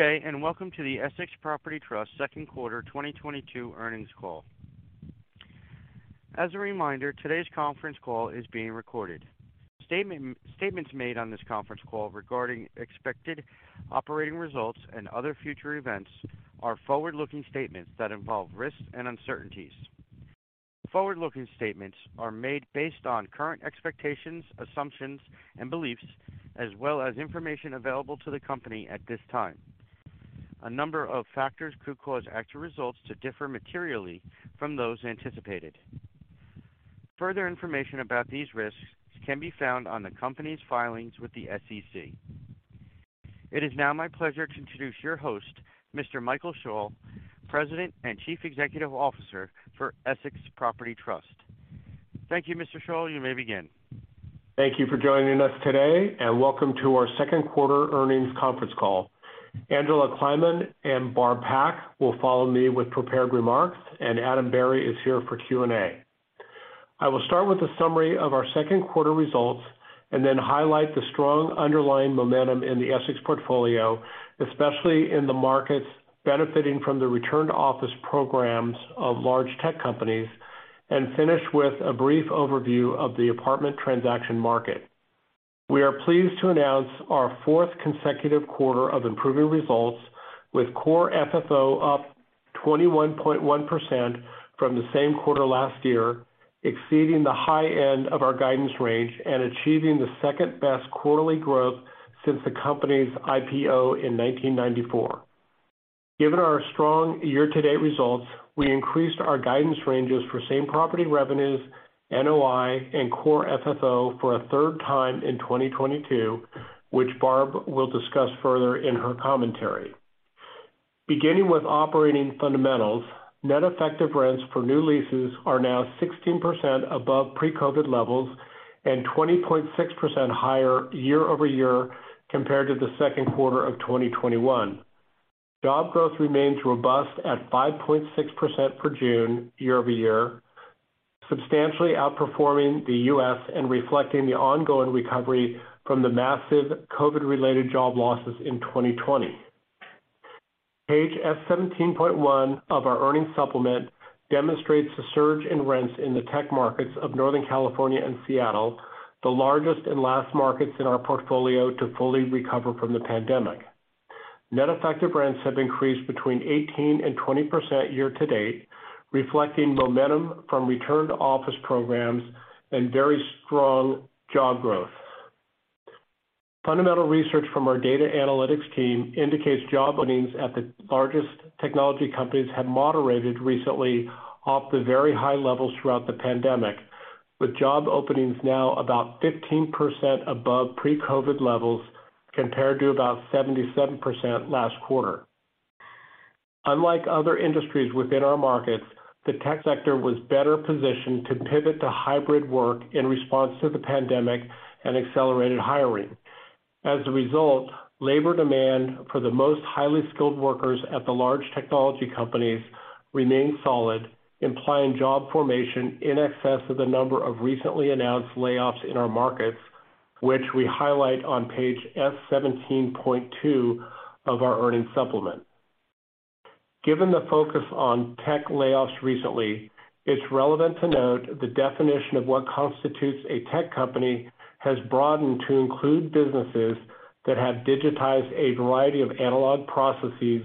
Good day, and welcome to the Essex Property Trust second quarter 2022 earnings call. As a reminder, today's conference call is being recorded. Statements made on this conference call regarding expected operating results and other future events are forward-looking statements that involve risks and uncertainties. Forward-looking statements are made based on current expectations, assumptions, and beliefs, as well as information available to the company at this time. A number of factors could cause actual results to differ materially from those anticipated. Further information about these risks can be found on the company's filings with the SEC. It is now my pleasure to introduce your host, Mr. Michael Schall, President and Chief Executive Officer for Essex Property Trust. Thank you, Mr. Schall. You may begin. Thank you for joining us today, and welcome to our second quarter earnings conference call. Angela Kleiman and Barb Pak will follow me with prepared remarks, and Adam Berry is here for Q&A. I will start with a summary of our second quarter results and then highlight the strong underlying momentum in the Essex portfolio, especially in the markets benefiting from the return to office programs of large tech companies, and finish with a brief overview of the apartment transaction market. We are pleased to announce our fourth consecutive quarter of improving results with core FFO up 21.1% from the same quarter last year, exceeding the high end of our guidance range and achieving the second-best quarterly growth since the company's IPO in 1994. Given our strong year-to-date results, we increased our guidance ranges for same property revenues, NOI, and core FFO for a third time in 2022, which Barb will discuss further in her commentary. Beginning with operating fundamentals, net effective rents for new leases are now 16% above pre-COVID levels and 20.6% higher year-over-year compared to the second quarter of 2021. Job growth remains robust at 5.6% for June year-over-year, substantially outperforming the U.S. and reflecting the ongoing recovery from the massive COVID-related job losses in 2020. Page S-17.1 of our earnings supplement demonstrates the surge in rents in the tech markets of Northern California and Seattle, the largest and last markets in our portfolio to fully recover from the pandemic. Net effective rents have increased between 18% and 20% year to date, reflecting momentum from return to office programs and very strong job growth. Fundamental research from our data analytics team indicates job openings at the largest technology companies have moderated recently off the very high levels throughout the pandemic, with job openings now about 15% above pre-COVID levels compared to about 77% last quarter. Unlike other industries within our markets, the tech sector was better positioned to pivot to hybrid work in response to the pandemic and accelerated hiring. As a result, labor demand for the most highly skilled workers at the large technology companies remains solid, implying job formation in excess of the number of recently announced layoffs in our markets, which we highlight on page S-17.2 of our earnings supplement. Given the focus on tech layoffs recently, it's relevant to note the definition of what constitutes a tech company has broadened to include businesses that have digitized a variety of analog processes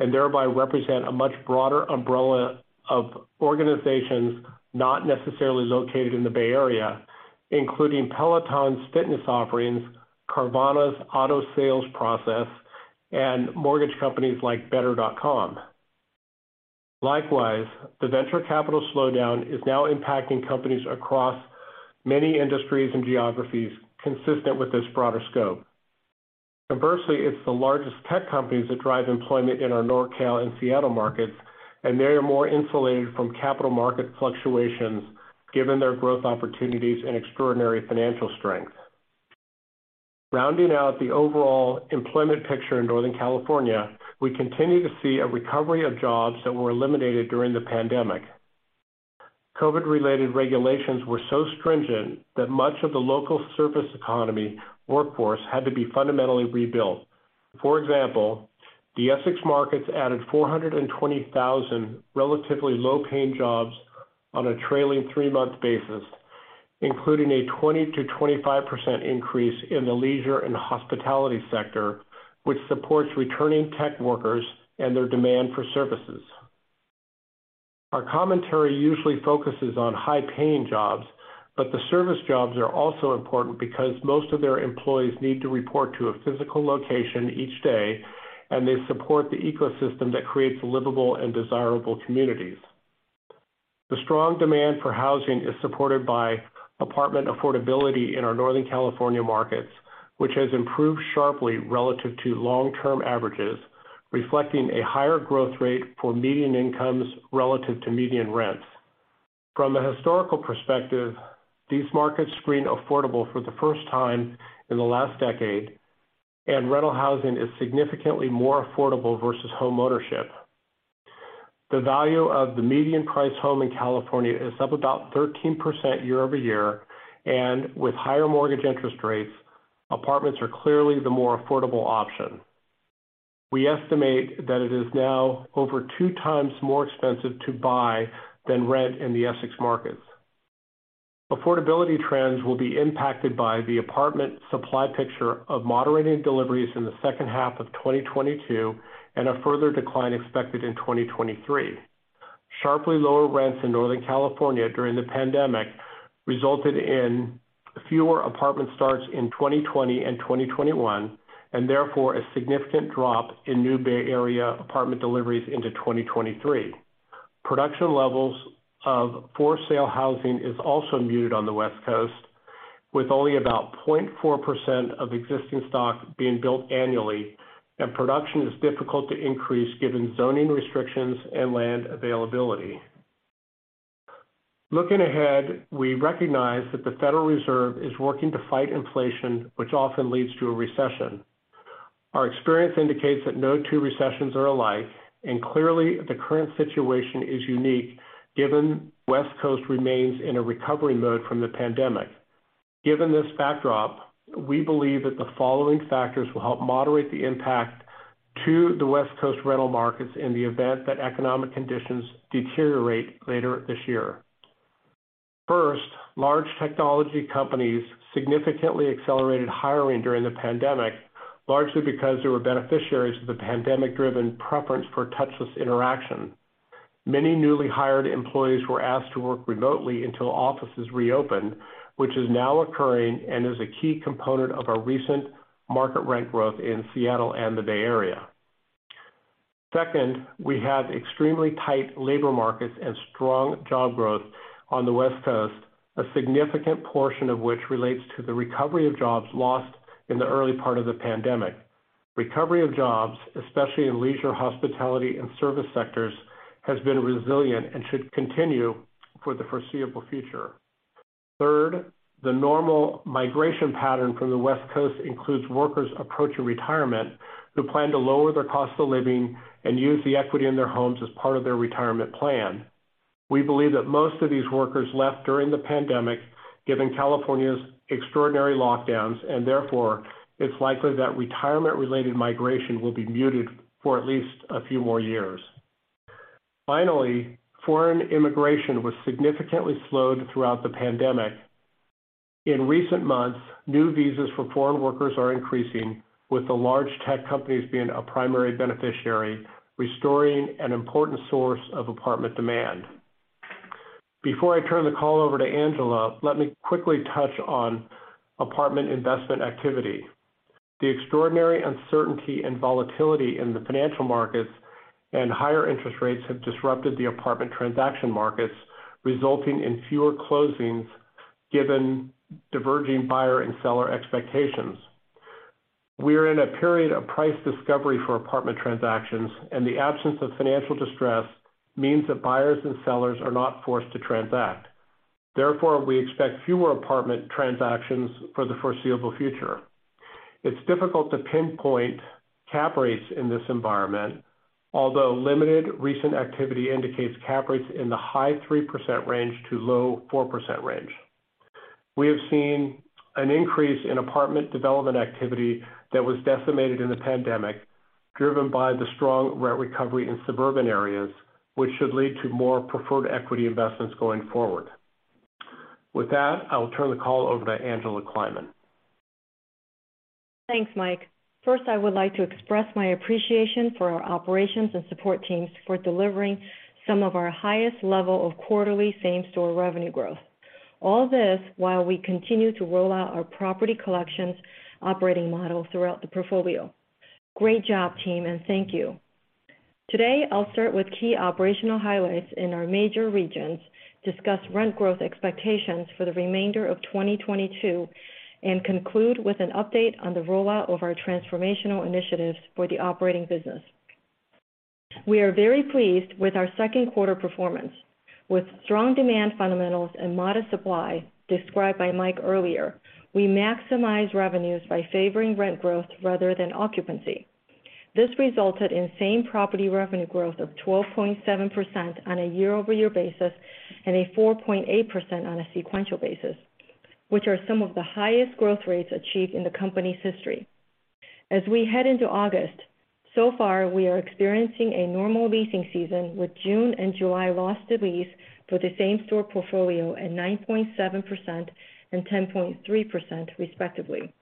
and thereby represent a much broader umbrella of organizations not necessarily located in the Bay Area, including Peloton's fitness offerings, Carvana's auto sales process, and mortgage companies like Better.com. Likewise, the venture capital slowdown is now impacting companies across many industries and geographies consistent with this broader scope. Conversely, it's the largest tech companies that drive employment in our Nor Cal and Seattle markets, and they are more insulated from capital market fluctuations given their growth opportunities and extraordinary financial strength. Rounding out the overall employment picture in Northern California, we continue to see a recovery of jobs that were eliminated during the pandemic. COVID-related regulations were so stringent that much of the local service economy workforce had to be fundamentally rebuilt. For example, the Essex markets added 420,000 relatively low-paying jobs on a trailing three-month basis, including a 20%-25% increase in the leisure and hospitality sector, which supports returning tech workers and their demand for services. Our commentary usually focuses on high-paying jobs, but the service jobs are also important because most of their employees need to report to a physical location each day, and they support the ecosystem that creates livable and desirable communities. The strong demand for housing is supported by apartment affordability in our Northern California markets, which has improved sharply relative to long-term averages, reflecting a higher growth rate for median incomes relative to median rents. From a historical perspective, these markets scream affordable for the first time in the last decade, and rental housing is significantly more affordable versus homeownership. The value of the median-priced home in California is up about 13% year-over-year, and with higher mortgage interest rates, apartments are clearly the more affordable option. We estimate that it is now over 2x more expensive to buy than rent in the Essex markets. Affordability trends will be impacted by the apartment supply picture of moderating deliveries in the second half of 2022, and a further decline expected in 2023. Sharply lower rents in Northern California during the pandemic resulted in fewer apartment starts in 2020 and 2021, and therefore a significant drop in new Bay Area apartment deliveries into 2023. Production levels of for sale housing is also muted on the West Coast, with only about 0.4% of existing stock being built annually, and production is difficult to increase given zoning restrictions and land availability. Looking ahead, we recognize that the Federal Reserve is working to fight inflation, which often leads to a recession. Our experience indicates that no two recessions are alike, and clearly the current situation is unique given West Coast remains in a recovery mode from the pandemic. Given this backdrop, we believe that the following factors will help moderate the impact to the West Coast rental markets in the event that economic conditions deteriorate later this year. First, large technology companies significantly accelerated hiring during the pandemic, largely because there were beneficiaries of the pandemic driven preference for touchless interaction. Many newly hired employees were asked to work remotely until offices reopened, which is now occurring and is a key component of our recent market rent growth in Seattle and the Bay Area. Second, we have extremely tight labor markets and strong job growth on the West Coast, a significant portion of which relates to the recovery of jobs lost in the early part of the pandemic. Recovery of jobs, especially in leisure, hospitality and service sectors, has been resilient and should continue for the foreseeable future. Third, the normal migration pattern from the West Coast includes workers approaching retirement who plan to lower their cost of living and use the equity in their homes as part of their retirement plan. We believe that most of these workers left during the pandemic, given California's extraordinary lockdowns, and therefore it's likely that retirement-related migration will be muted for at least a few more years. Finally, foreign immigration was significantly slowed throughout the pandemic. In recent months, new visas for foreign workers are increasing, with the large tech companies being a primary beneficiary, restoring an important source of apartment demand. Before I turn the call over to Angela, let me quickly touch on apartment investment activity. The extraordinary uncertainty and volatility in the financial markets and higher interest rates have disrupted the apartment transaction markets, resulting in fewer closings given diverging buyer and seller expectations. We are in a period of price discovery for apartment transactions, and the absence of financial distress means that buyers and sellers are not forced to transact. Therefore, we expect fewer apartment transactions for the foreseeable future. It's difficult to pinpoint cap rates in this environment. Although limited recent activity indicates cap rates in the high 3% range to low 4% range. We have seen an increase in apartment development activity that was decimated in the pandemic, driven by the strong rent recovery in suburban areas, which should lead to more preferred equity investments going forward. With that, I will turn the call over to Angela Kleiman. Thanks, Mike. First, I would like to express my appreciation for our operations and support teams for delivering some of our highest level of quarterly same store revenue growth. All this while we continue to roll out our property collections operating model throughout the portfolio. Great job, team, and thank you. Today, I'll start with key operational highlights in our major regions, discuss rent growth expectations for the remainder of 2022, and conclude with an update on the rollout of our transformational initiatives for the operating business. We are very pleased with our second quarter performance. With strong demand fundamentals and modest supply described by Mike earlier, we maximize revenues by favoring rent growth rather than occupancy. This resulted in same property revenue growth of 12.7% on a year-over-year basis and a 4.8% on a sequential basis, which are some of the highest growth rates achieved in the company's history. As we head into August, so far we are experiencing a normal leasing season with June and July loss to lease for the same store portfolio at 9.7% and 10.3% respectively.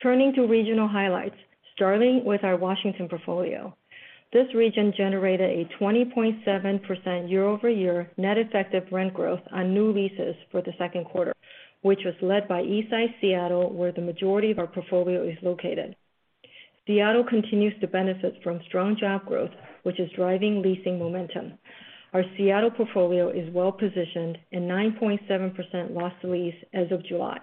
Turning to regional highlights, starting with our Washington portfolio. This region generated a 20.7% year-over-year net effective rent growth on new leases for the second quarter, which was led by Eastside Seattle, where the majority of our portfolio is located. Seattle continues to benefit from strong job growth, which is driving leasing momentum. Our Seattle portfolio is well positioned and 9.7% loss to lease as of July.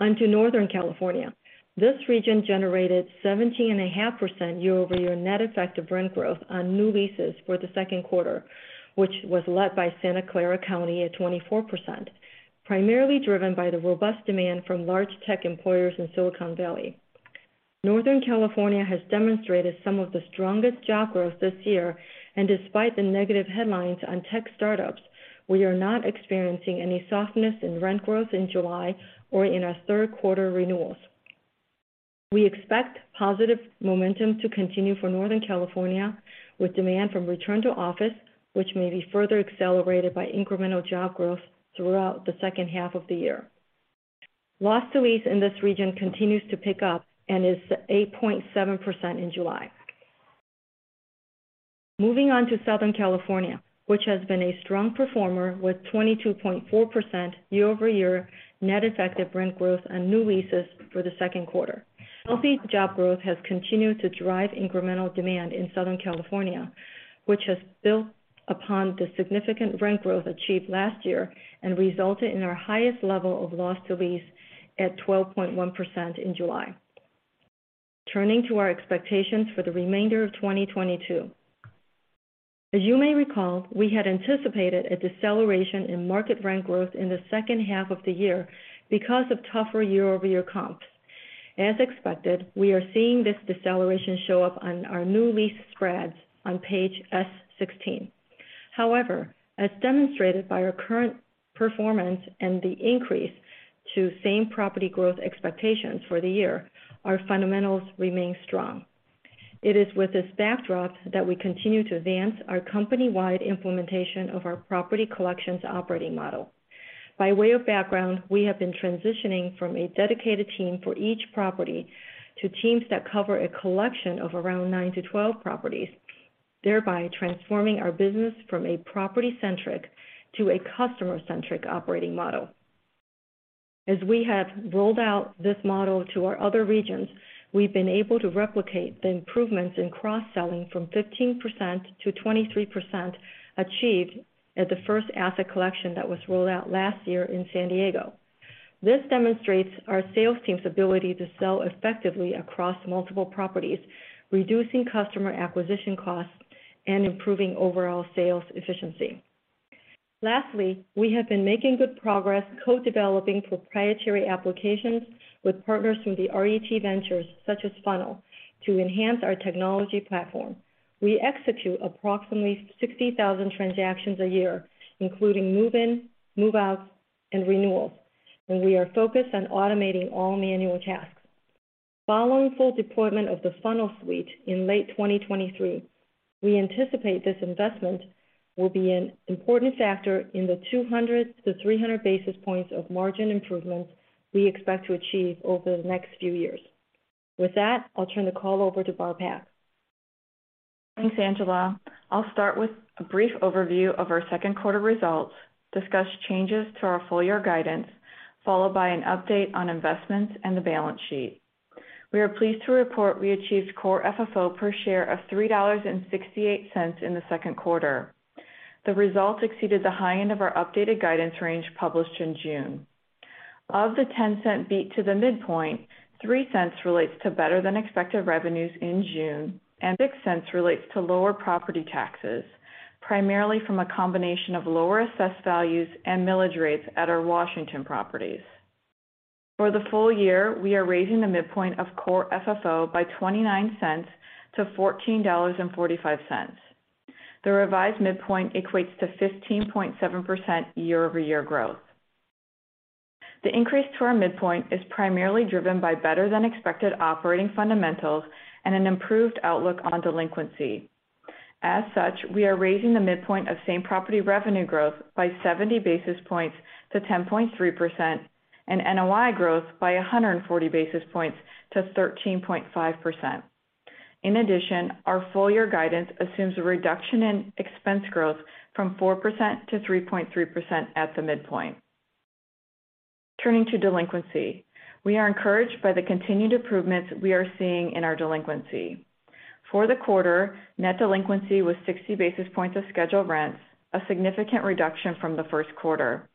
Onto Northern California. This region generated 17.5% year-over-year net effective rent growth on new leases for the second quarter, which was led by Santa Clara County at 24%, primarily driven by the robust demand from large tech employers in Silicon Valley. Northern California has demonstrated some of the strongest job growth this year, and despite the negative headlines on tech startups, we are not experiencing any softness in rent growth in July or in our third quarter renewals. We expect positive momentum to continue for Northern California, with demand from return to office, which may be further accelerated by incremental job growth throughout the second half of the year. Loss to lease in this region continues to pick up and is at 8.7% in July. Moving on to Southern California, which has been a strong performer with 22.4% year-over-year net effective rent growth and new leases for the second quarter. Healthy job growth has continued to drive incremental demand in Southern California, which has built upon the significant rent growth achieved last year and resulted in our highest level of loss to lease at 12.1% in July. Turning to our expectations for the remainder of 2022. As you may recall, we had anticipated a deceleration in market rent growth in the second half of the year because of tougher year-over-year comps. As expected, we are seeing this deceleration show up on our new lease spreads on page S-16. However, as demonstrated by our current performance and the increase to same property growth expectations for the year, our fundamentals remain strong. It is with this backdrop that we continue to advance our company-wide implementation of our property collections operating model. By way of background, we have been transitioning from a dedicated team for each property to teams that cover a collection of around nine-12 properties, thereby transforming our business from a property-centric to a customer-centric operating model. As we have rolled out this model to our other regions, we've been able to replicate the improvements in cross-selling from 15% to 23% achieved at the first asset collection that was rolled out last year in San Diego. This demonstrates our sales team's ability to sell effectively across multiple properties, reducing customer acquisition costs and improving overall sales efficiency. Lastly, we have been making good progress co-developing proprietary applications with partners from the RET Ventures, such as Funnel, to enhance our technology platform. We execute approximately 60,000 transactions a year, including move-in, move-outs, and renewals, and we are focused on automating all manual tasks. Following full deployment of the Funnel suite in late 2023, we anticipate this investment will be an important factor in the 200 basis points-300 basis points of margin improvements we expect to achieve over the next few years. With that, I'll turn the call over to Barb Pak. Thanks, Angela. I'll start with a brief overview of our second quarter results, discuss changes to our full year guidance, followed by an update on investments and the balance sheet. We are pleased to report we achieved core FFO per share of $3.68 in the second quarter. The result exceeded the high end of our updated guidance range published in June. Of the $0.10 Beat to the midpoint, $0.03 Relates to better than expected revenues in June, and $0.06 Relates to lower property taxes, primarily from a combination of lower assessed values and millage rates at our Washington properties. For the full year, we are raising the midpoint of core FFO by $0.29 cents to $14.45. The revised midpoint equates to 15.7% year-over-year growth. The increase to our midpoint is primarily driven by better than expected operating fundamentals and an improved outlook on delinquency. As such, we are raising the midpoint of same property revenue growth by 70 basis points to 10.3% and NOI growth by 140 basis points to 13.5%. In addition, our full year guidance assumes a reduction in expense growth from 4% to 3.3% at the midpoint. Turning to delinquency. We are encouraged by the continued improvements we are seeing in our delinquency. For the quarter, net delinquency was 60 basis points of scheduled rents, a significant reduction from the first quarter.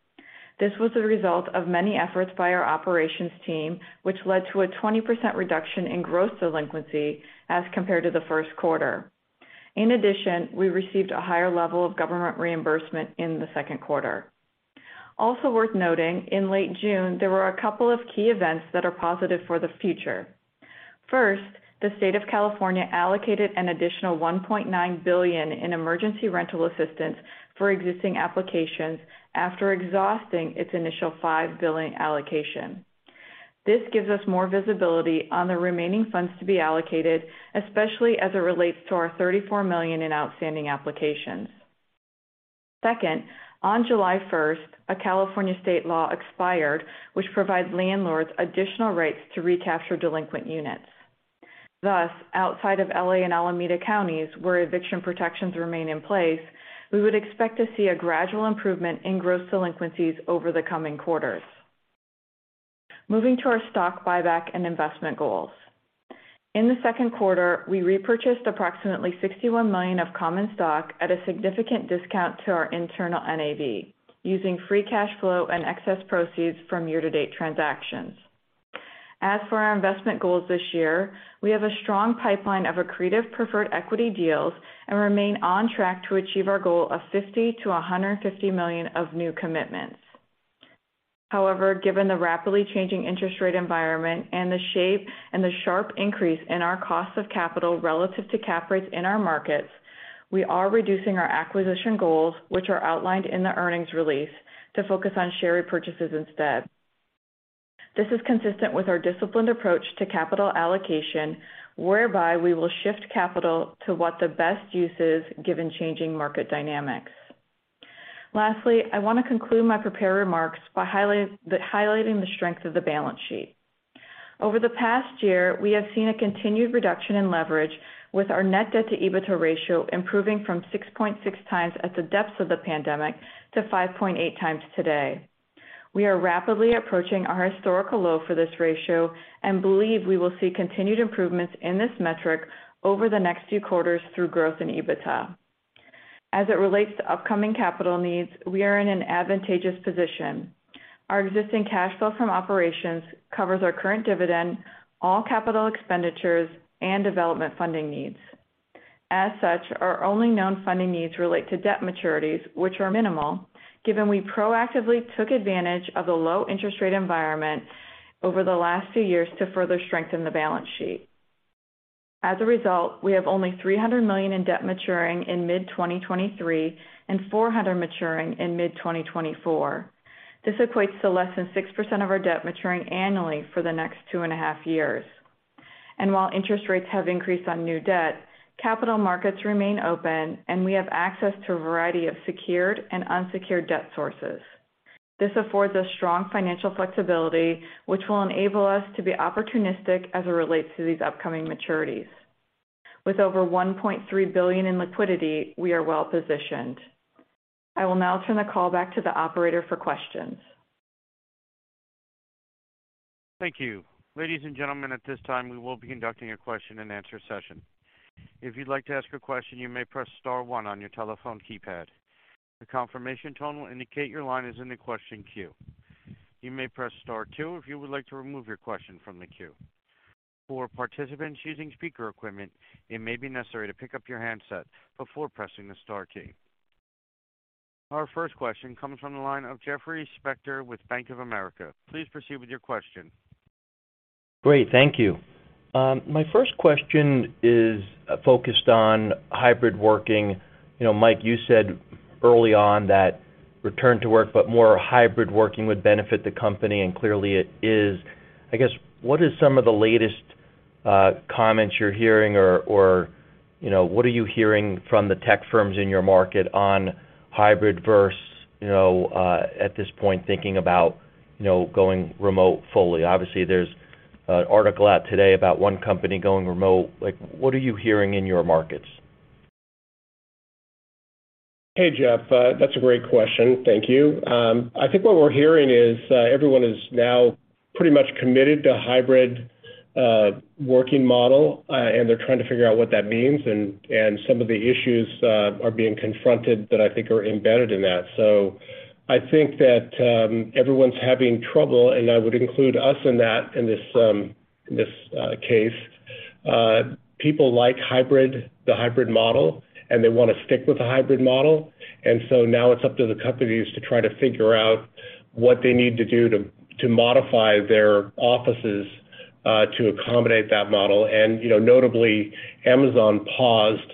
This was the result of many efforts by our operations team, which led to a 20% reduction in gross delinquency as compared to the first quarter. In addition, we received a higher level of government reimbursement in the second quarter. Also worth noting, in late June, there were a couple of key events that are positive for the future. First, the state of California allocated an additional $1.9 billion in emergency rental assistance for existing applications after exhausting its initial $5 billion allocation. This gives us more visibility on the remaining funds to be allocated, especially as it relates to our $34 million in outstanding applications. Second, on July 1, a California state law expired, which provides landlords additional rights to recapture delinquent units. Thus, outside of L.A. and Alameda counties, where eviction protections remain in place, we would expect to see a gradual improvement in gross delinquencies over the coming quarters. Moving to our stock buyback and investment goals. In the second quarter, we repurchased approximately $61 million of common stock at a significant discount to our internal NAV, using free cash flow and excess proceeds from year-to-date transactions. As for our investment goals this year, we have a strong pipeline of accretive preferred equity deals and remain on track to achieve our goal of $50 million-$150 million of new commitments. However, given the rapidly changing interest rate environment and the sharp increase in our cost of capital relative to cap rates in our markets, we are reducing our acquisition goals, which are outlined in the earnings release, to focus on share repurchases instead. This is consistent with our disciplined approach to capital allocation, whereby we will shift capital to what the best use is given changing market dynamics. Lastly, I want to conclude my prepared remarks by highlighting the strength of the balance sheet. Over the past year, we have seen a continued reduction in leverage with our net debt to EBITDA ratio improving from 6.6x at the depths of the pandemic to 5.8x today. We are rapidly approaching our historical low for this ratio and believe we will see continued improvements in this metric over the next few quarters through growth in EBITDA. As it relates to upcoming capital needs, we are in an advantageous position. Our existing cash flow from operations covers our current dividend, all capital expenditures, and development funding needs. As such, our only known funding needs relate to debt maturities, which are minimal, given we proactively took advantage of the low interest rate environment over the last two years to further strengthen the balance sheet. As a result, we have only $300 million in debt maturing in mid-2023 and $400 million maturing in mid-2024. This equates to less than 6% of our debt maturing annually for the next two and half years. While interest rates have increased on new debt, capital markets remain open, and we have access to a variety of secured and unsecured debt sources. This affords us strong financial flexibility, which will enable us to be opportunistic as it relates to these upcoming maturities. With over $1.3 billion in liquidity, we are well-positioned. I will now turn the call back to the operator for questions. Thank you. Ladies and gentlemen, at this time, we will be conducting a question and answer session. If you'd like to ask a question, you may press star one on your telephone keypad. The confirmation tone will indicate your line is in the question queue. You may press star two if you would like to remove your question from the queue. For participants using speaker equipment, it may be necessary to pick up your handset before pressing the star key. Our first question comes from the line of Jeffrey Spector with Bank of America. Please proceed with your question. Great. Thank you. My first question is focused on hybrid working. You know, Mike, you said early on that return to work, but more hybrid working would benefit the company, and clearly it is. I guess, what is some of the latest comments you're hearing or you know, what are you hearing from the tech firms in your market on hybrid versus you know at this point, thinking about you know going remote fully? Obviously, there's an article out today about one company going remote. Like, what are you hearing in your markets? Hey, Jeff. That's a great question. Thank you. I think what we're hearing is everyone is now pretty much committed to a hybrid working model, and they're trying to figure out what that means and some of the issues are being confronted that I think are embedded in that. I think that everyone's having trouble, and I would include us in that, in this case. People like the hybrid model, and they wanna stick with the hybrid model. Now it's up to the companies to try to figure out what they need to do to modify their offices to accommodate that model. You know, notably, Amazon paused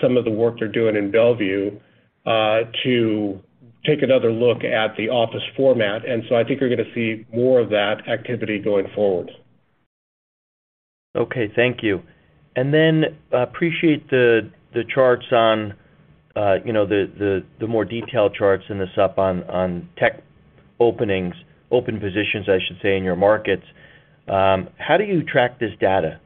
some of the work they're doing in Bellevue to take another look at the office format. I think you're gonna see more of that activity going forward. Okay. Thank you. Appreciate the charts on, you know, the more detailed charts in the sup on open positions, I should say, in your markets. How do you track this data?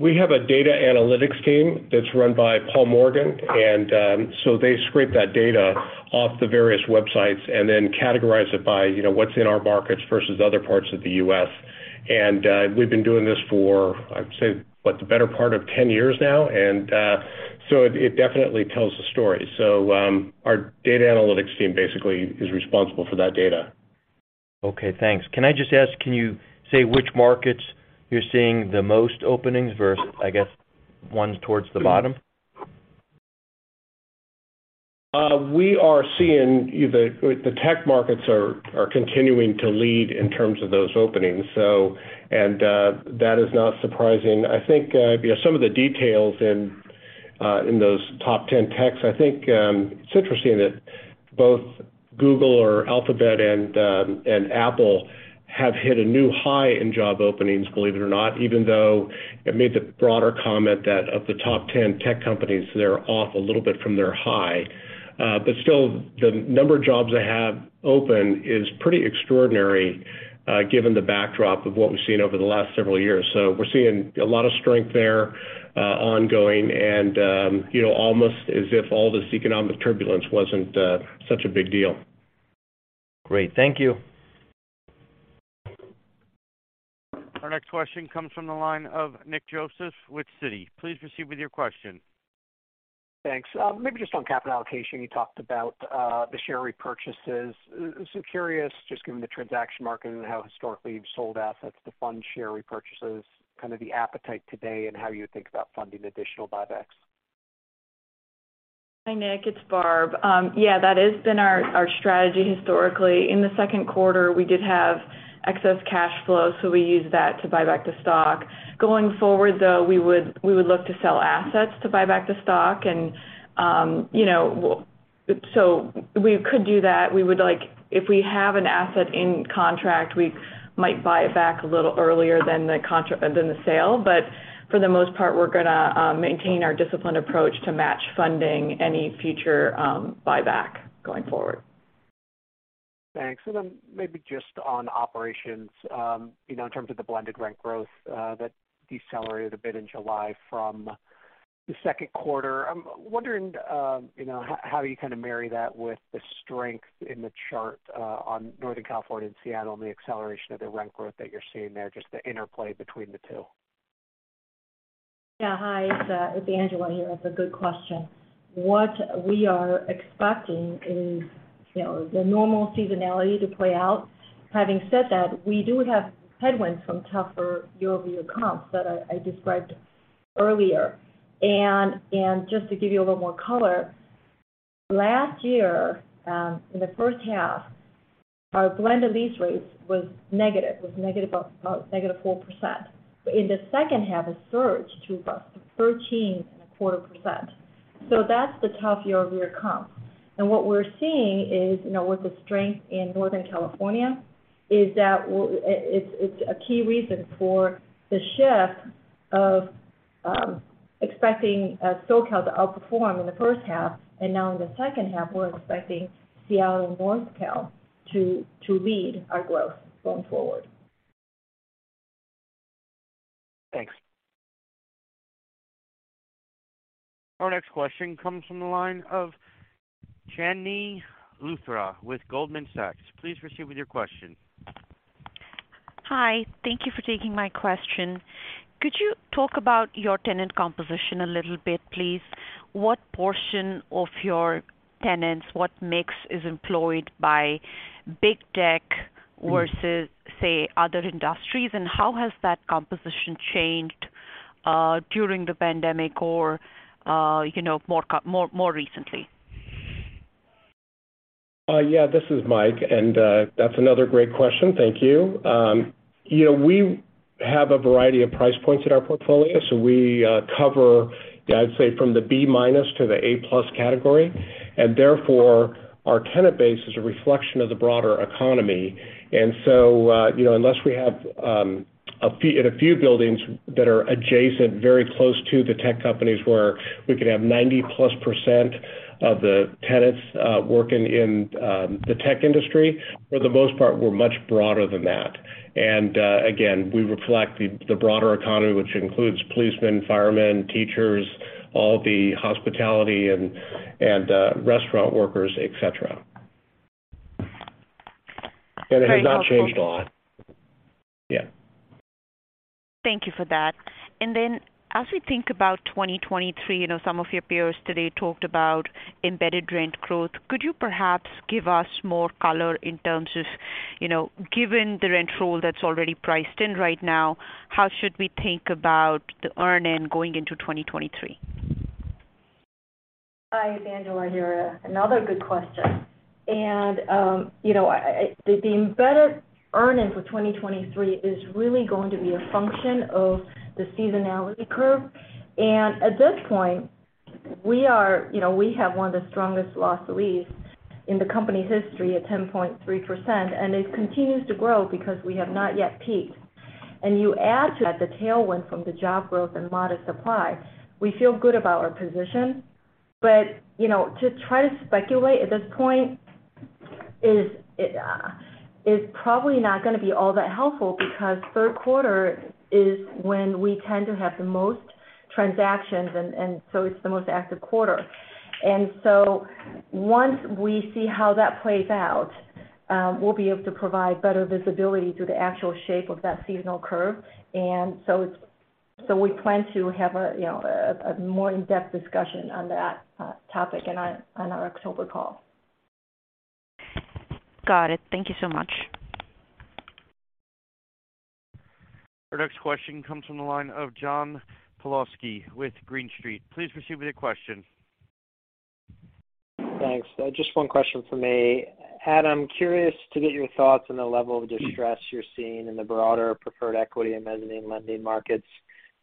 We have a data analytics team that's run by Paul Morgan. They scrape that data off the various websites and then categorize it by, you know, what's in our markets versus other parts of the U.S. We've been doing this for, I'd say, what, the better part of 10 years now. It definitely tells the story. Our data analytics team basically is responsible for that data. Okay. Thanks. Can I just ask, can you say which markets you're seeing the most openings versus, I guess, ones towards the bottom? With the tech markets are continuing to lead in terms of those openings. That is not surprising. I think you know, some of the details in those top 10 techs, I think it's interesting that both Google or Alphabet and Apple have hit a new high in job openings, believe it or not, even though I made the broader comment that of the top 10 tech companies, they're off a little bit from their high. Still, the number of jobs they have open is pretty extraordinary, given the backdrop of what we've seen over the last several years. We're seeing a lot of strength there, ongoing and you know, almost as if all this economic turbulence wasn't such a big deal. Great. Thank you. Our next question comes from the line of Nick Joseph with Citi. Please proceed with your question. Thanks. Maybe just on capital allocation, you talked about the share repurchases. Curious, just given the transaction market and how historically you've sold assets to fund share repurchases, kind of the appetite today and how you would think about funding additional buybacks. Hi, Nick. It's Barb. Yeah, that has been our strategy historically. In the second quarter, we did have excess cash flow, so we used that to buy back the stock. Going forward, though, we would look to sell assets to buy back the stock. We could do that. If we have an asset in contract, we might buy it back a little earlier than the sale. But for the most part, we're gonna maintain our disciplined approach to match funding any future buyback going forward. Thanks. Then maybe just on operations, you know, in terms of the blended rent growth, that decelerated a bit in July from the second quarter. I'm wondering, you know, how you kind of marry that with the strength in the chart, on Northern California and Seattle and the acceleration of the rent growth that you're seeing there, just the interplay between the two. Yeah, hi. It's Angela here. That's a good question. What we are expecting is, you know, the normal seasonality to play out. Having said that, we do have headwinds from tougher year-over-year comps that I described earlier. Just to give you a little more color, last year, in the first half, our blended lease rates was negative. It was negative, about negative 4%. In the second half, it surged to about 13.25%. That's the tough year-over-year comp. What we're seeing is, you know, with the strength in Northern California, it's a key reason for the shift of expecting SoCal to outperform in the first half, and now in the second half, we're expecting Seattle and North Cal to lead our growth going forward. Thanks. Our next question comes from the line of Chandni Luthra with Goldman Sachs. Please proceed with your question. Hi. Thank you for taking my question. Could you talk about your tenant composition a little bit, please? What portion of your tenants, what mix is employed by big tech versus, say, other industries, and how has that composition changed during the pandemic or, you know, more recently? This is Mike, and that's another great question. Thank you. You know, we have a variety of price points in our portfolio. We cover, I'd say, from the B minus to the A plus category. Therefore, our tenant base is a reflection of the broader economy. You know, unless we have, in a few buildings that are adjacent, very close to the tech companies where we could have 90%+ of the tenants working in the tech industry, for the most part, we're much broader than that. Again, we reflect the broader economy, which includes policemen, firemen, teachers, all the hospitality and restaurant workers, et cetera. It has not changed a lot. Thank you for that. As we think about 2023, you know, some of your peers today talked about embedded rent growth. Could you perhaps give us more color in terms of, you know, given the rent roll that's already priced in right now, how should we think about the earn in going into 2023? Hi, it's Angela here. Another good question. You know, the embedded earn in for 2023 is really going to be a function of the seasonality curve. At this point, we are, you know, we have one of the strongest loss to lease in the company's history at 10.3%, and it continues to grow because we have not yet peaked. You add to that the tailwind from the job growth and modest supply, we feel good about our position. You know, to try to speculate at this point is probably not gonna be all that helpful because third quarter is when we tend to have the most transactions and so it's the most active quarter. Once we see how that plays out, we'll be able to provide better visibility to the actual shape of that seasonal curve. We plan to have a, you know, more in-depth discussion on that topic on our October call. Got it. Thank you so much. Our next question comes from the line of John Pawlowski with Green Street. Please proceed with your question. Thanks. Just one question from me. Adam, curious to get your thoughts on the level of distress you're seeing in the broader preferred equity and mezzanine lending markets.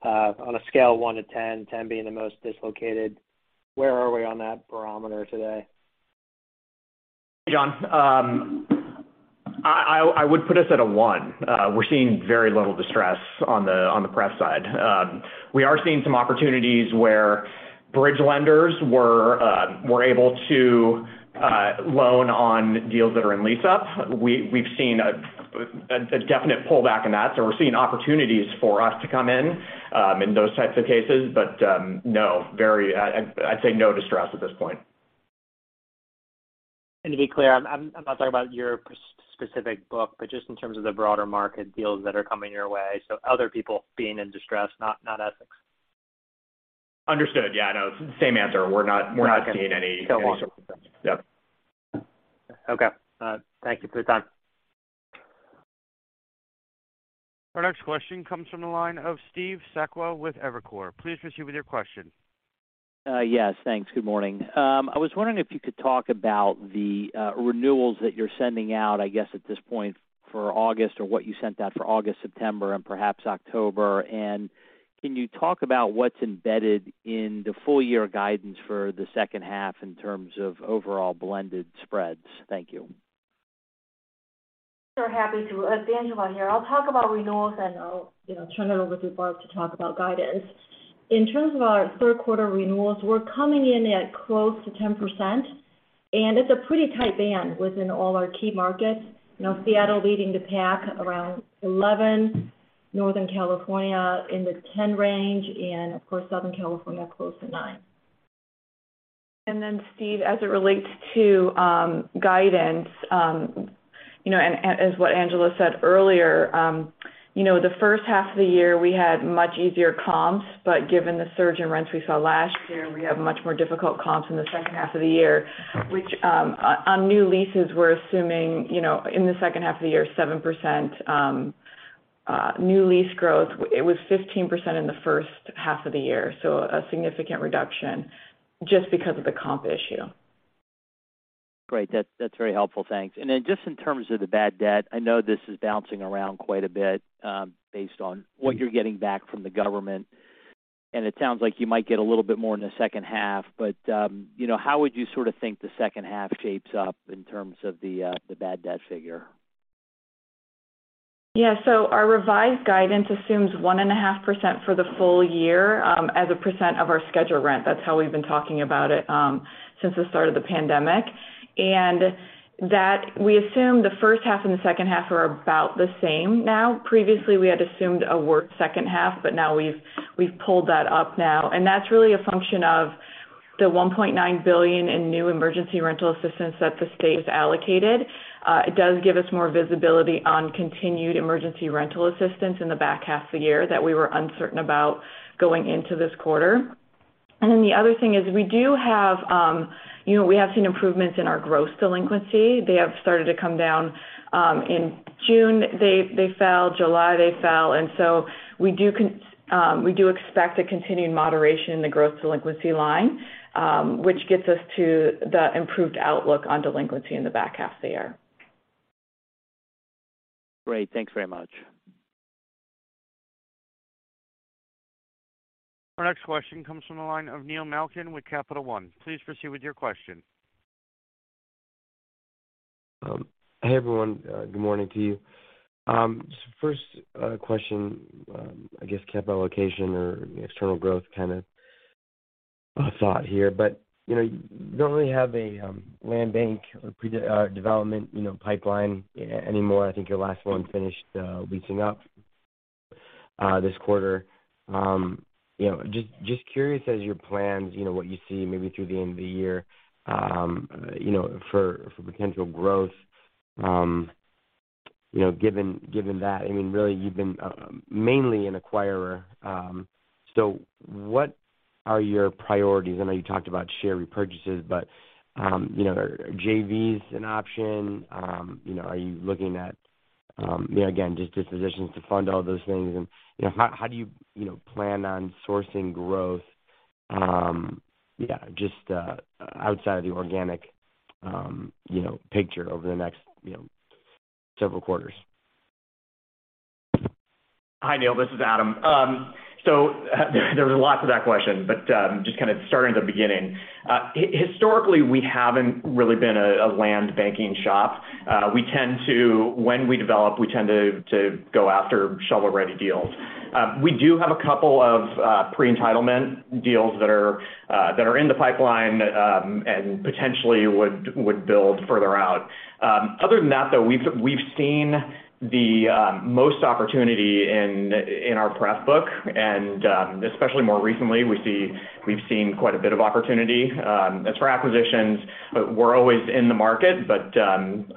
On a scale of 1 to 10 being the most dislocated, where are we on that barometer today? John, I would put us at a one. We're seeing very little distress on the West side. We are seeing some opportunities where bridge lenders were able to loan on deals that are in lease-up. We've seen a definite pullback in that. We're seeing opportunities for us to come in in those types of cases. I'd say no distress at this point. To be clear, I'm not talking about your PS-specific book, but just in terms of the broader market deals that are coming your way. Other people being in distress, not Essex. Understood. Yeah, no. Same answer. We're not seeing any- 1. Yeah. Okay. Thank you for the time. Our next question comes from the line of Steve Sakwa with Evercore. Please proceed with your question. Yes, thanks. Good morning. I was wondering if you could talk about the renewals that you're sending out, I guess, at this point for August or what you sent out for August, September and perhaps October. Can you talk about what's embedded in the full year guidance for the second half in terms of overall blended spreads? Thank you. Sure. Happy to. It's Angela here. I'll talk about renewals, and I'll, you know, turn it over to Barb to talk about guidance. In terms of our third quarter renewals, we're coming in at close to 10%, and it's a pretty tight band within all our key markets. You know, Seattle leading the pack around 11%, Northern California in the 10% range, and of course, Southern California close to 9%. Then Steve, as it relates to guidance, you know, and as what Angela said earlier, you know, the first half of the year we had much easier comps, but given the surge in rents we saw last year, we have much more difficult comps in the second half of the year, which, on new leases, we're assuming, you know, in the second half of the year, 7% new lease growth. It was 15% in the first half of the year, so a significant reduction just because of the comp issue. Great. That's very helpful. Thanks. Then just in terms of the bad debt, I know this is bouncing around quite a bit, based on what you're getting back from the government, and it sounds like you might get a little bit more in the second half. You know, how would you sort of think the second half shapes up in terms of the bad debt figure? Yeah. Our revised guidance assumes 1.5% for the full year as a % of our scheduled rent. That's how we've been talking about it since the start of the pandemic. We assume the first half and the second half are about the same now. Previously, we had assumed a worse second half, but now we've pulled that up now. That's really a function of the $1.9 billion in new emergency rental assistance that the state has allocated. It does give us more visibility on continued emergency rental assistance in the back half of the year that we were uncertain about going into this quarter. The other thing is we do have you know, we have seen improvements in our gross delinquency. They have started to come down. In June, they fell. July they fell. We do expect a continued moderation in the gross delinquency line, which gets us to the improved outlook on delinquency in the back half of the year. Great. Thanks very much. Our next question comes from the line of Neil Malkin with Capital One. Please proceed with your question. Hey, everyone. Good morning to you. First, question, I guess capital allocation or external growth kind of a thought here, but you know, you don't really have a land bank or predevelopment pipeline anymore. I think your last one finished leasing up this quarter. You know, just curious about your plans, you know, what you see maybe through the end of the year, you know, for potential growth, you know, given that. I mean, really, you've been mainly an acquirer. What are your priorities? I know you talked about share repurchases, but you know, are JVs an option? You know, are you looking at, you know, again, just dispositions to fund all those things? You know, how do you know, plan on sourcing growth just outside of the organic, you know, picture over the next, you know, several quarters? Hi, Neil. This is Adam. There was lots of that question. Just kind of starting at the beginning. Historically, we haven't really been a land banking shop. When we develop, we tend to go after shovel-ready deals. We do have a couple of pre-entitlement deals that are in the pipeline, and potentially would build further out. Other than that, though, we've seen the most opportunity in our press book, and especially more recently, we've seen quite a bit of opportunity. As for acquisitions, we're always in the market, but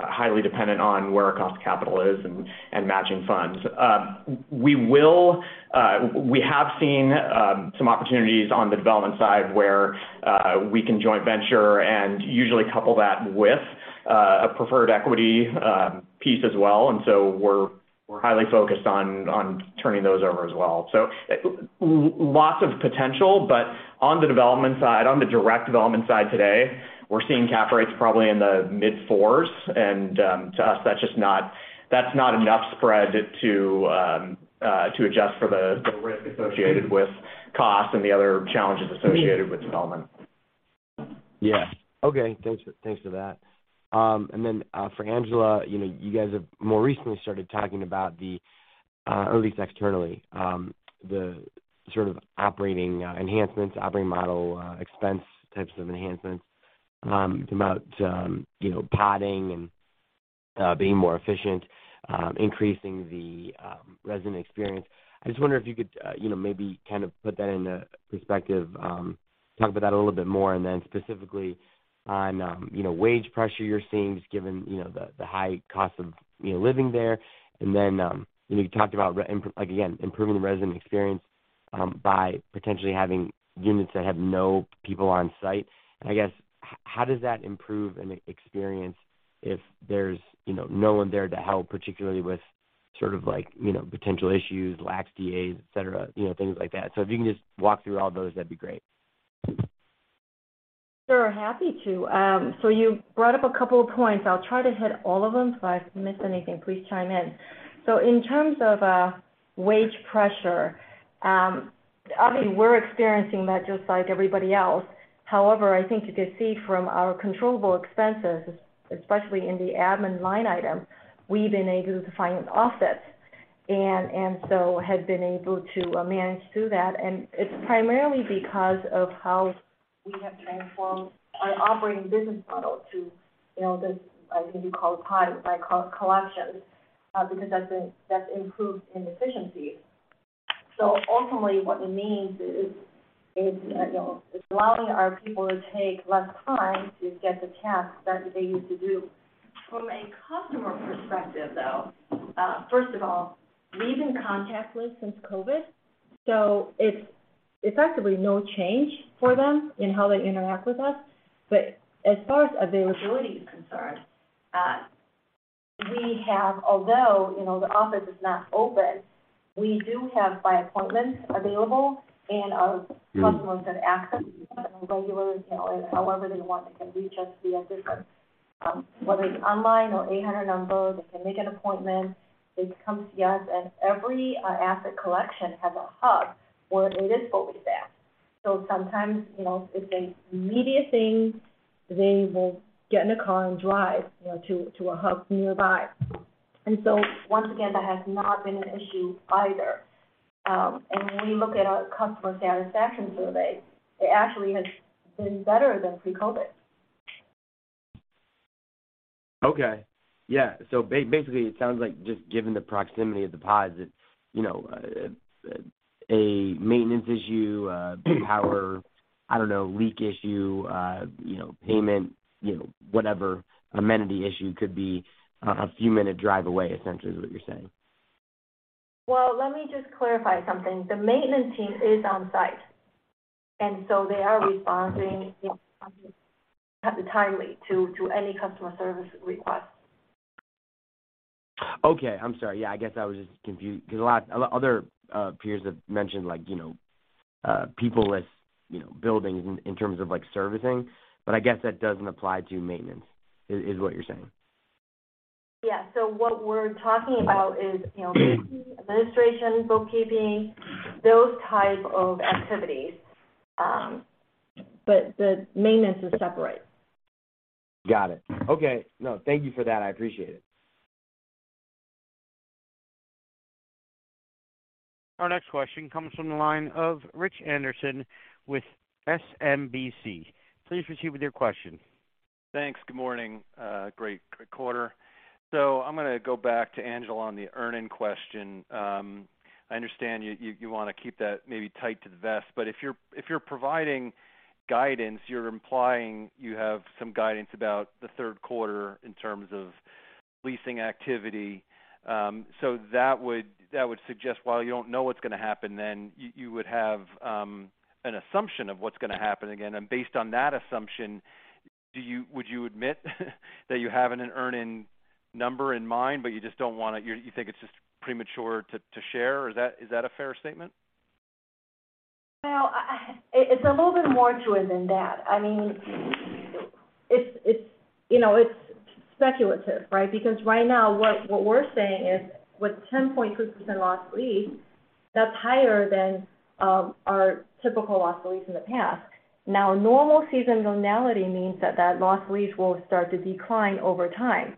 highly dependent on where our cost of capital is and matching funds. We have seen some opportunities on the development side where we can joint venture and usually couple that with a preferred equity piece as well. We're highly focused on turning those over as well. Lots of potential. On the development side, on the direct development side today, we're seeing cap rates probably in the mid-fours, and to us, that's just not enough spread to adjust for the risk associated with costs and the other challenges associated with development. Yeah. Okay. Thanks. Thanks for that. For Angela, you know, you guys have more recently started talking about the, or at least externally, the sort of operating enhancements, operating model, expense types of enhancements, about, you know, podding and, being more efficient, increasing the resident experience. I just wonder if you could, you know, maybe kind of put that into perspective, talk about that a little bit more, and then specifically on, you know, wage pressure you're seeing, just given, you know, the high cost of living there. You know, you talked about like again, improving the resident experience, by potentially having units that have no people on site. How does that improve an experience if there's, you know, no one there to help, particularly with sort of like, you know, potential issues, lax DAs, et cetera, you know, things like that. If you can just walk through all those, that'd be great. Sure. Happy to. You brought up a couple of points. I'll try to hit all of them, so if I miss anything, please chime in. In terms of wage pressure, I mean, we're experiencing that just like everybody else. However, I think you could see from our controllable expenses, especially in the admin line item, we've been able to find offsets and so have been able to manage through that. It's primarily because of how we have transformed our operating business model to, you know, this, I think you call it PODs, I call it collections, because that's been improved in efficiency. Ultimately what it means is, you know, it's allowing our people to take less time to get the tasks that they used to do. From a customer perspective, though, first of all, we've been contactless since COVID, so it's effectively no change for them in how they interact with us. As far as availability is concerned, although, you know, the office is not open, we do have by appointment available, and our- Mm-hmm. Customers can access us on a regular, you know, however they want. They can reach us via different, whether it's online or 800 number, they can make an appointment. They come see us, and every asset collection has a hub where it is always there. Sometimes, you know, if it's an immediate thing, they will get in a car and drive, you know, to a hub nearby. Once again, that has not been an issue either. When we look at our customer satisfaction survey, it actually has been better than pre-COVID. Okay. Yeah. Basically, it sounds like just given the proximity of the PODs, it's, you know, a maintenance issue, a power, I don't know, leak issue, you know, payment, you know, whatever amenity issue could be a few minute drive away essentially is what you're saying. Well, let me just clarify something. The maintenance team is on site, and so they are responding timely to any customer service request. Okay. I'm sorry. Yeah, I guess I was just confused because a lot of other peers have mentioned like, you know, people-less, you know, buildings in terms of like servicing, but I guess that doesn't apply to maintenance, is what you're saying. Yeah. What we're talking about is, you know, administration, bookkeeping, those type of activities. The maintenance is separate. Got it. Okay. No, thank you for that. I appreciate it. Our next question comes from the line of Richard Anderson with SMBC. Please proceed with your question. Thanks. Good morning. Great quarter. I'm gonna go back to Angela on the earnings question. I understand you wanna keep that maybe close to the vest, but if you're providing guidance, you're implying you have some guidance about the third quarter in terms of leasing activity. That would suggest while you don't know what's gonna happen, you would have an assumption of what's gonna happen again. Based on that assumption, would you admit that you have an earnings number in mind, but you just don't wanna? You think it's just premature to share? Is that a fair statement? Well, it's a little bit more to it than that. I mean, it's you know, it's speculative, right? Because right now what we're saying is with 10.2% loss to lease, that's higher than our typical loss to lease in the past. Now, normal seasonality means that loss to lease will start to decline over time.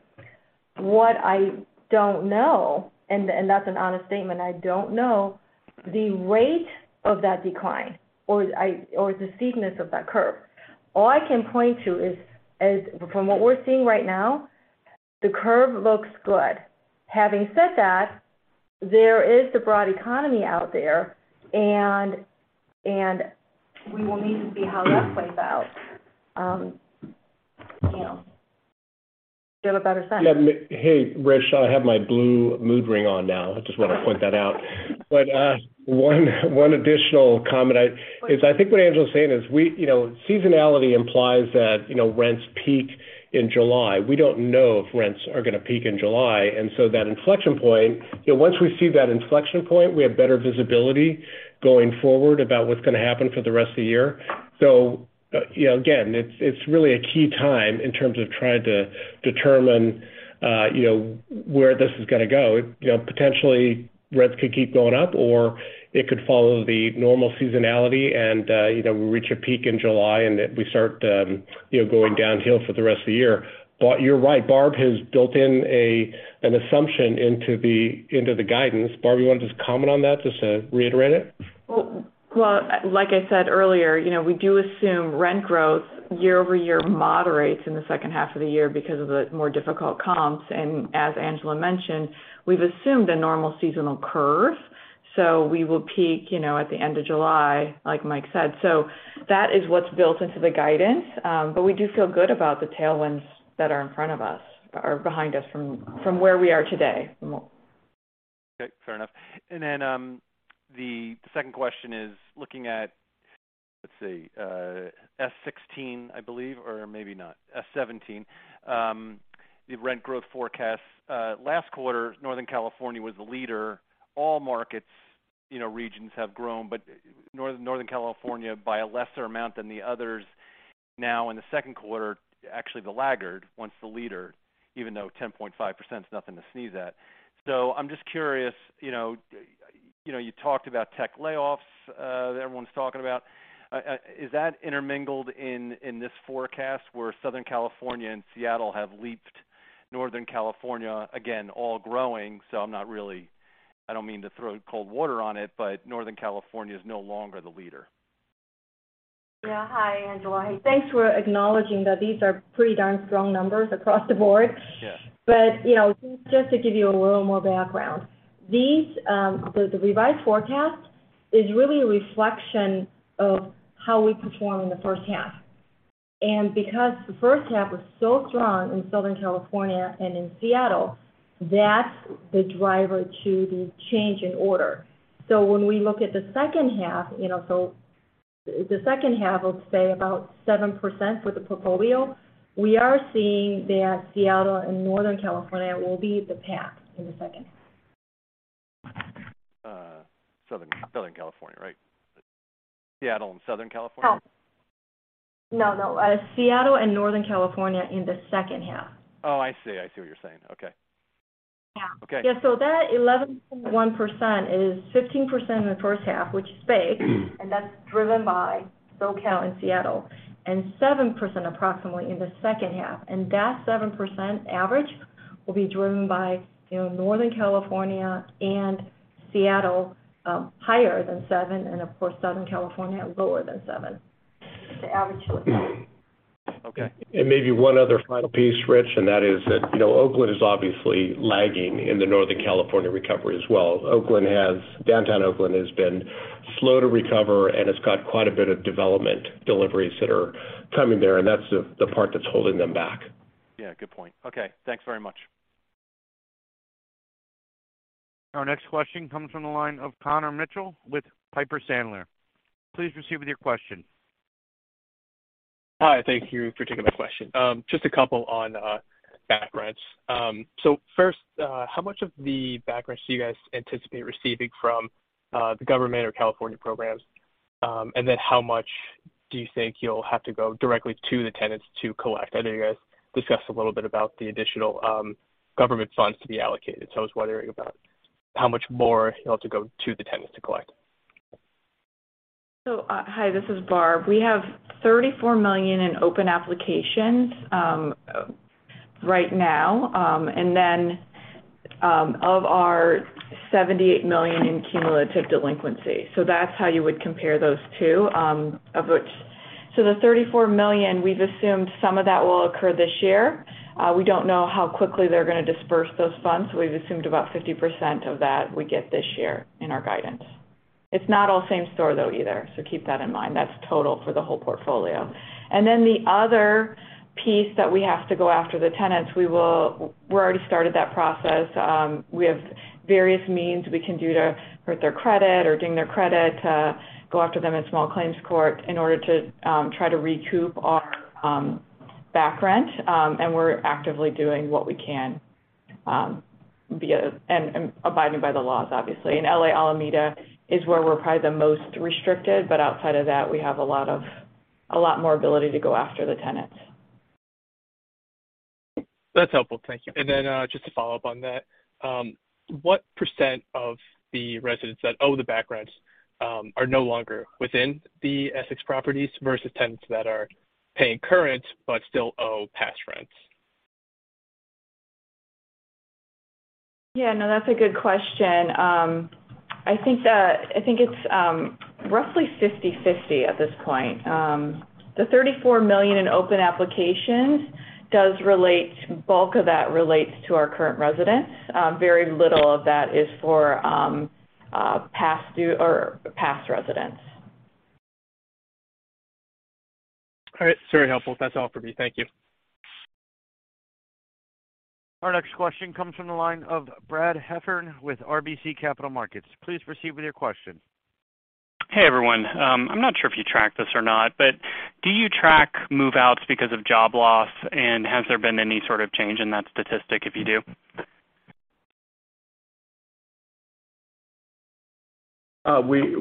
What I don't know, and that's an honest statement, I don't know the rate of that decline or the steepness of that curve. All I can point to is from what we're seeing right now, the curve looks good. Having said that, there is the broad economy out there and we will need to see how that plays out, you know, get a better sense. Yeah. Hey, Rich. I have my blue mood ring on now. I just wanna point that out. One additional comment is I think what Angela is saying is seasonality implies that, you know, rents peak in July. We don't know if rents are gonna peak in July, and so that inflection point, you know, once we see that inflection point, we have better visibility going forward about what's gonna happen for the rest of the year. You know, again, it's really a key time in terms of trying to determine, you know, where this is gonna go. You know, potentially rents could keep going up or it could follow the normal seasonality and, you know, we reach a peak in July, and we start, you know, going downhill for the rest of the year. You're right, Barb has built in an assumption into the guidance. Barb, you wanna just comment on that just to reiterate it? Well, like I said earlier, you know, we do assume rent growth year-over-year moderates in the second half of the year because of the more difficult comps. As Angela mentioned, we've assumed a normal seasonal curve. We will peak, you know, at the end of July, like Mike said. That is what's built into the guidance. But we do feel good about the tailwinds that are in front of us or behind us from where we are today. Okay, fair enough. The second question is looking at S-17, the rent growth forecast. Last quarter, Northern California was the leader. All markets, you know, regions have grown, but Northern California by a lesser amount than the others now in the second quarter, actually the laggard, once the leader, even though 10.5% is nothing to sneeze at. I'm just curious, you know, you talked about tech layoffs that everyone's talking about. Is that intermingled in this forecast where Southern California and Seattle have leaped Northern California again, all growing. I'm not really. I don't mean to throw cold water on it, but Northern California is no longer the leader. Yeah, hi, Angela. Thanks for acknowledging that these are pretty darn strong numbers across the board. Yeah. You know, just to give you a little more background, these, the revised forecast is really a reflection of how we perform in the first half. Because the first half was so strong in Southern California and in Seattle, that's the driver to the change in order. When we look at the second half, you know, the second half, let's say about 7% for the portfolio, we are seeing that Seattle and Northern California will be the pack in the second. Southern California, right? Seattle and Southern California? No, no. Seattle and Northern California in the second half. Oh, I see. I see what you're saying. Okay. Yeah. Okay. Yeah. That 11.1% is 15% in the first half, which is big, and that's driven by SoCal and Seattle, and 7% approximately in the second half. That 7% average will be driven by, you know, Northern California and Seattle, higher than 7% and of course, Southern California lower than 7%. The average. Okay. Maybe one other final piece, Rich, and that is that, you know, Oakland is obviously lagging in the Northern California recovery as well. Oakland has, downtown Oakland has been slow to recover, and it's got quite a bit of development deliveries that are coming there, and that's the part that's holding them back. Yeah, good point. Okay, thanks very much. Our next question comes from m the line of Connor Mitchell with Piper Sandler. Please proceed with your question. Hi. Thank you for taking my question. Just a couple on back rents. First, how much of the back rents do you guys anticipate receiving from the government or California programs? Then how much do you think you'll have to go directly to the tenants to collect? I know you guys discussed a little bit about the additional government funds to be allocated. I was wondering about how much more you'll have to go to the tenants to collect. Hi, this is Barb. We have $34 million in open applications right now. And then, of our $78 million in cumulative delinquency. That's how you would compare those two, of which the $34 million, we've assumed some of that will occur this year. We don't know how quickly they're gonna disperse those funds. We've assumed about 50% of that we get this year in our guidance. It's not all same store, though, either. Keep that in mind. That's total for the whole portfolio. The other piece that we have to go after the tenants, we already started that process. We have various means we can do to hurt their credit or ding their credit to go after them in small claims court in order to try to recoup our back rent. We're actively doing what we can, and abiding by the laws, obviously. In L.A., Alameda is where we're probably the most restricted, but outside of that, we have a lot more ability to go after the tenants. That's helpful. Thank you. Then, just to follow up on that, what % of the residents that owe the back rents are no longer within the Essex properties versus tenants that are paying current but still owe past rents? Yeah, no, that's a good question. I think it's roughly 50/50 at this point. The $34 million in open applications does relate. Bulk of that relates to our current residents. Very little of that is for past due or past residents. All right. Very helpful. That's all for me. Thank you. Our next question comes from the line of Brad Heffern with RBC Capital Markets. Please proceed with your question. Hey, everyone. I'm not sure if you track this or not, but do you track move-outs because of job loss? Has there been any sort of change in that statistic, if you do?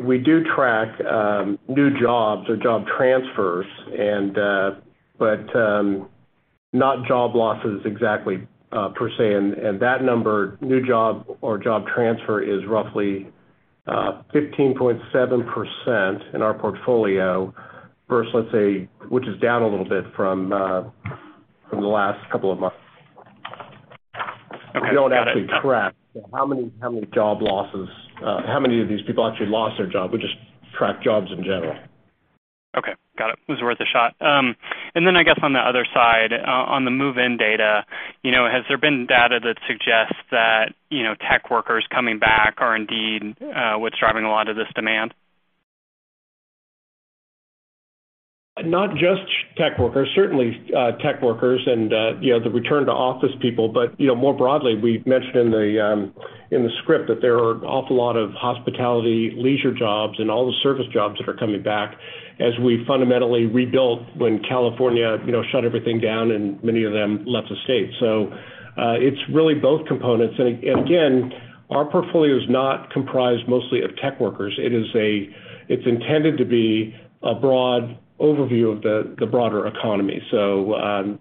We do track new jobs or job transfers and but not job losses exactly, per se. That number, new job or job transfer, is roughly 15.7% in our portfolio versus, let's say, which is down a little bit from the last couple of months. We don't actually track how many job losses, how many of these people actually lost their job. We just track jobs in general. Okay. Got it. It was worth a shot. I guess on the other side, on the move-in data, you know, has there been data that suggests that, you know, tech workers coming back are indeed, what's driving a lot of this demand? Not just tech workers, certainly, tech workers and, you know, the return to office people. You know, more broadly, we mentioned in the script that there are an awful lot of hospitality, leisure jobs, and all the service jobs that are coming back as we fundamentally rebuilt when California, you know, shut everything down and many of them left the state. It's really both components. Again, our portfolio is not comprised mostly of tech workers. It's intended to be a broad overview of the broader economy. You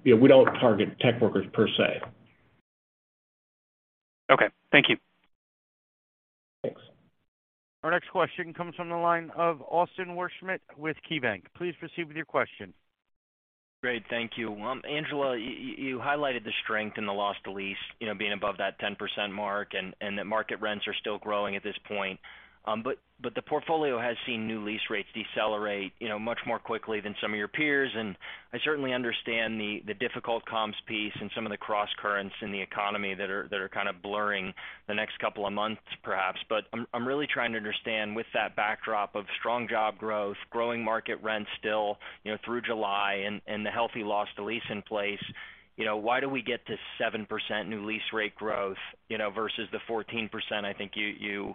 know, we don't target tech workers per se. Okay. Thank you. Thanks. Our next question comes from the line of Austin Wurschmidt with KeyBanc. Please proceed with your question. Great. Thank you. Angela, you highlighted the strength in the loss to lease, you know, being above that 10% mark and that market rents are still growing at this point. The portfolio has seen new lease rates decelerate, you know, much more quickly than some of your peers. I certainly understand the difficult comps piece and some of the crosscurrents in the economy that are kind of blurring the next couple of months perhaps. I'm really trying to understand with that backdrop of strong job growth, growing market rents still, you know, through July and the healthy loss to lease in place, you know, why do we get to 7% new lease rate growth, you know, versus the 14% I think you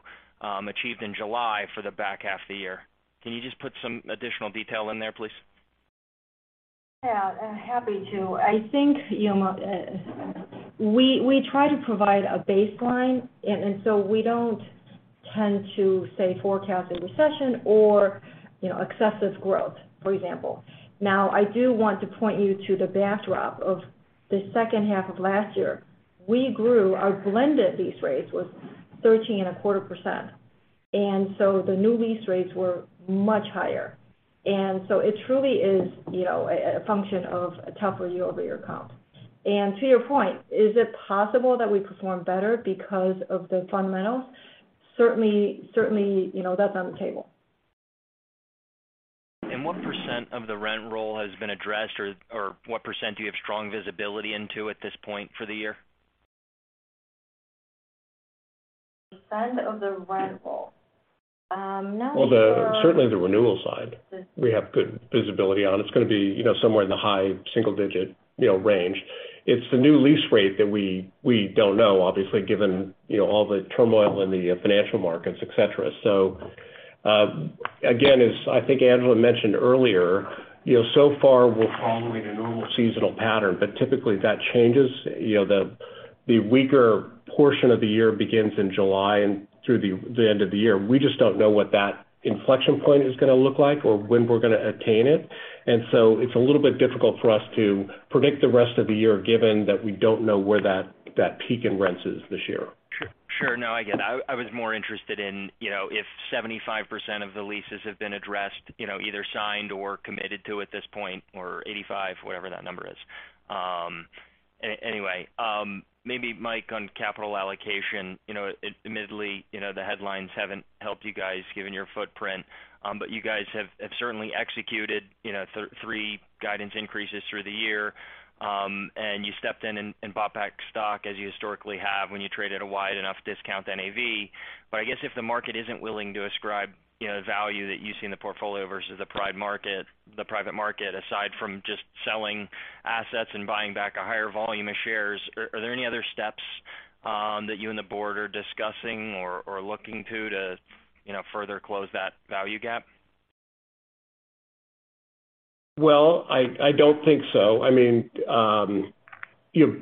achieved in July for the back half of the year? Can you just put some additional detail in there, please? Yeah, happy to. I think, you know, we try to provide a baseline, and so we don't tend to say forecast a recession or, you know, excessive growth, for example. Now, I do want to point you to the backdrop of the second half of last year. We grew our blended lease rates were 13.25%, and so the new lease rates were much higher. It truly is, you know, a function of a tougher year-over-year comp. To your point, is it possible that we perform better because of the fundamentals? Certainly, you know, that's on the table. What % of the rent roll has been addressed or what % do you have strong visibility into at this point for the year? Percent of the rent roll. Well, certainly the renewal side, we have good visibility on. It's gonna be, you know, somewhere in the high single digit, you know, range. It's the new lease rate that we don't know, obviously, given, you know, all the turmoil in the financial markets, et cetera. So, again, as I think Angela mentioned earlier, you know, so far we're following a normal seasonal pattern, but typically that changes. You know, the weaker portion of the year begins in July and through the end of the year. We just don't know what that inflection point is gonna look like or when we're gonna attain it. It's a little bit difficult for us to predict the rest of the year, given that we don't know where that peak in rent is this year. Sure. No, I get it. I was more interested in, you know, if 75% of the leases have been addressed, you know, either signed or committed to at this point, or 85%, whatever that number is. Anyway, maybe Mike, on capital allocation, you know, admittedly, you know, the headlines haven't helped you guys given your footprint, but you guys have certainly executed, you know, three guidance increases through the year. And you stepped in and bought back stock as you historically have when you traded a wide enough discount to NAV. I guess if the market isn't willing to ascribe, you know, the value that you see in the portfolio versus the private market, aside from just selling assets and buying back a higher volume of shares, are there any other steps that you and the board are discussing or looking to, you know, further close that value gap? I don't think so. I mean, you know,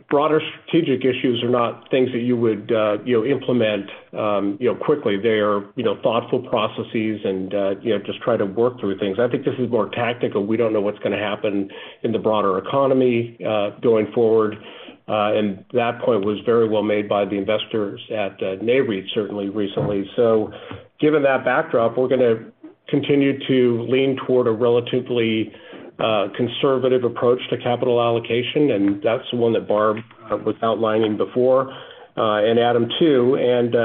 broader strategic issues are not things that you would, you know, implement, you know, quickly. They are, you know, thoughtful processes and, you know, just try to work through things. I think this is more tactical. We don't know what's gonna happen in the broader economy, going forward. That point was very well made by the investors at, Nareit certainly recently. Given that backdrop, we're gonna continue to lean toward a relatively conservative approach to capital allocation, and that's the one that Barb was outlining before, and Adam too.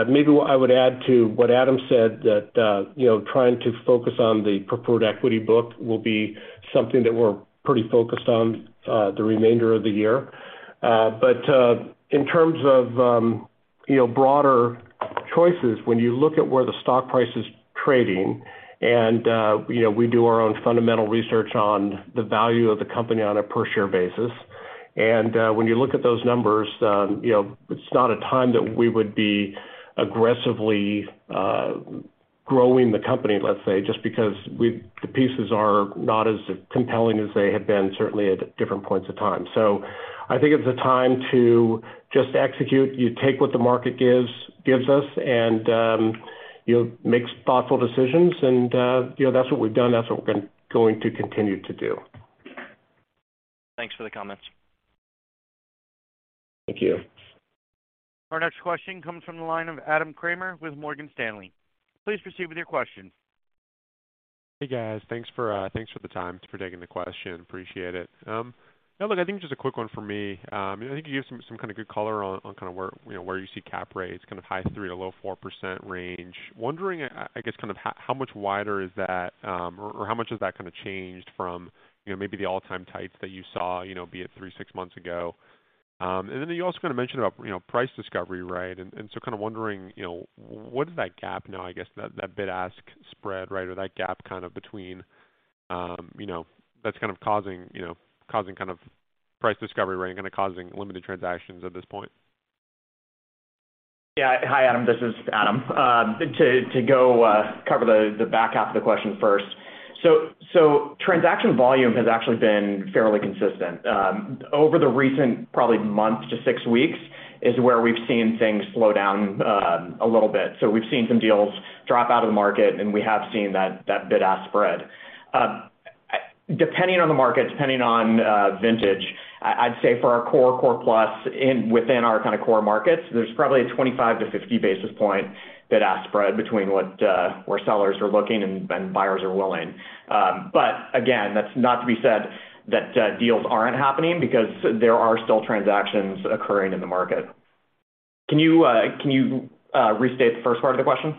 Maybe what I would add to what Adam said that, you know, trying to focus on the preferred equity book will be something that we're pretty focused on, the remainder of the year. In terms of, you know, broader choices, when you look at where the stock price is trading and, you know, we do our own fundamental research on the value of the company on a per share basis. When you look at those numbers, you know, it's not a time that we would be aggressively growing the company, let's say, just because the pieces are not as compelling as they have been certainly at different points of time. I think it's a time to just execute. You take what the market gives us and, you know, make thoughtful decisions and, you know, that's what we've done, that's what we're going to continue to do. Thanks for the comments. Thank you. Our next question comes from the line of Adam Kramer with Morgan Stanley. Please proceed with your question. Hey, guys. Thanks for the time for taking the question. Appreciate it. Yeah, look, I think just a quick one for me. I think you gave some kind of good color on kind of where, you know, where you see cap rates kind of high 3%-low 4% range. Wondering, I guess kind of how much wider is that, or how much has that kind of changed from, you know, maybe the all-time tights that you saw, you know, be it three months, six months ago? Then you also kind of mentioned about, you know, price discovery, right? So kind of wondering, you know, what is that gap now, I guess that bid-ask spread, right? That gap kind of between, you know, that's kind of causing, you know, kind of price discovery range and causing limited transactions at this point. Yeah. Hi, Adam. This is Adam. To go cover the back half of the question first. Transaction volume has actually been fairly consistent. Over the recent probably month to six weeks is where we've seen things slow down, a little bit. We've seen some deals drop out of the market, and we have seen that bid-ask spread. Depending on the market, depending on vintage, I'd say for our core plus within our kind of core markets, there's probably a 25-50 basis point bid-ask spread between where sellers are looking and buyers are willing. But again, that's not to be said that deals aren't happening because there are still transactions occurring in the market. Can you restate the first part of the question?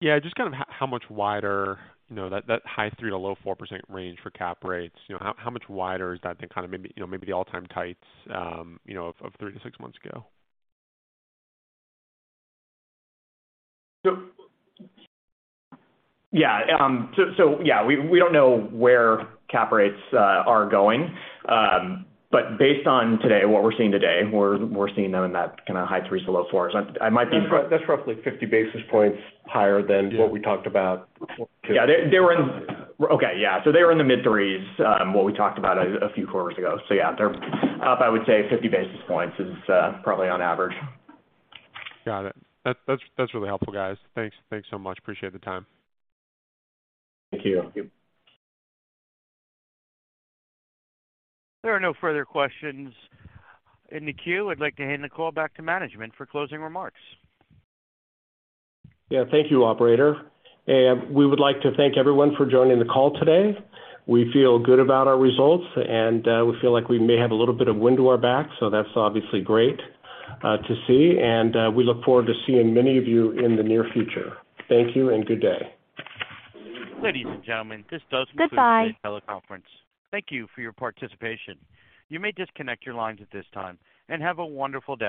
Yeah, just kind of how much wider, you know, that high 3%-low 4% range for cap rates. You know, how much wider has that been, kinda maybe, you know, maybe the all-time tights, you know, of three months-six months ago? Yeah. We don't know where cap rates are going. Based on today, what we're seeing today, we're seeing them in that kinda high 3s-low 4s. I might be That's roughly 50 basis points higher than- Yeah. What we talked about too. Yeah. They were in the mid threes, what we talked about a few quarters ago. Yeah, they're up. I would say 50 basis points is probably on average. Got it. That's really helpful, guys. Thanks. Thanks so much. Appreciate the time. Thank you. Thank you. There are no further questions in the queue. I'd like to hand the call back to management for closing remarks. Yeah. Thank you, operator. We would like to thank everyone for joining the call today. We feel good about our results, and we feel like we may have a little bit of wind to our back, so that's obviously great to see. We look forward to seeing many of you in the near future. Thank you and good day. Ladies and gentlemen, this does conclude. Goodbye Today's teleconference. Thank you for your participation. You may disconnect your lines at this time, and have a wonderful day.